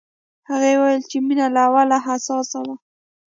هغې وویل چې مينه له اوله حساسه وه